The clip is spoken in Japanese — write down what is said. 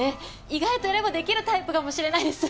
意外とやればできるタイプかもしれないです。